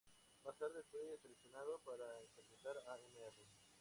Más tarde fue seleccionado para interpretar a Mr.